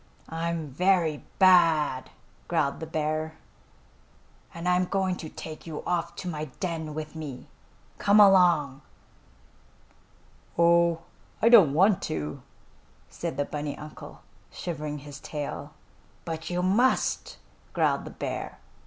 "I'm very bad!" growled the bear, "and I'm going to take you off to my den with me. Come along!" "Oh, I don't want to," said the bunny uncle, shivering his tail. "But you must!" growled the bear.